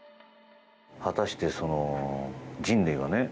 果たして、人類はね